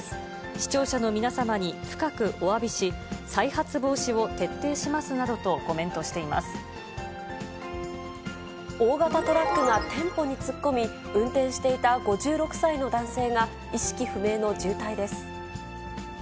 視聴者の皆様に深くおわびし、再発防止を徹底しますなどとコメ大型トラックが店舗に突っ込み、運転していた５６歳の男性が意識不明の重体です。